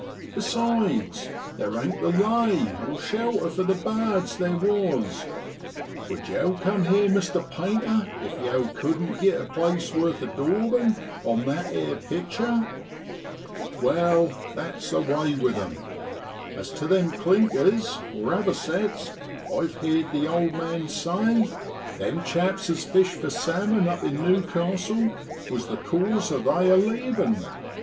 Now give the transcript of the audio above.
Besides, there ain't the lay (shelter) for the bards theer was; would yow cum here, Mr. Painter, if yow cuddent git a place worth the daubin' on that 'ere pictur' ? Wai, that's the way with them. As tu them clinkers (avocets), I've heerd the old man say, them chaps as fish for salmon up in New castle was the cause o' they a leavin'